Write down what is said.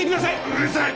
うるさい！